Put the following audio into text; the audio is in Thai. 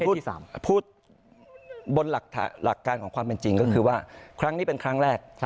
พูดบนหลักการของความเป็นจริงก็คือว่าครั้งนี้เป็นครั้งแรก